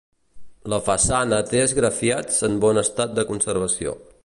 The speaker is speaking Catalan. La façana té esgrafiats en bon estat de conservació.